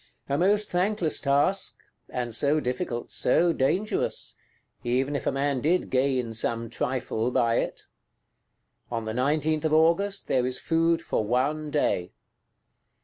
A most thankless task; and so difficult, so dangerous,—even if a man did gain some trifle by it! On the 19th August, there is food for one day.